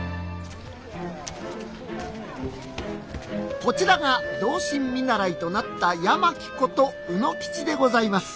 こちらが同心見習となった八巻こと卯之吉でございます。